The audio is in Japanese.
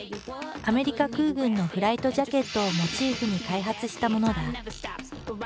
アメリカ空軍のフライトジャケットをモチーフに開発したものだ。